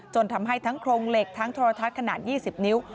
ทำให้ทั้งโครงเหล็กทั้งโทรทัศน์ขนาด๒๐นิ้ว